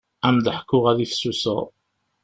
Ad m-d-ḥkuɣ ad ifsuseɣ.